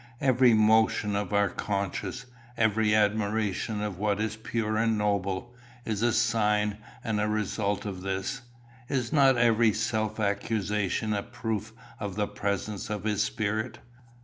Every motion of our conscience, every admiration of what is pure and noble, is a sign and a result of this. Is not every self accusation a proof of the presence of his spirit?